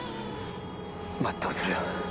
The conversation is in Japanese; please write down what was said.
全うするよ